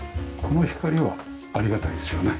この光はありがたいですよね。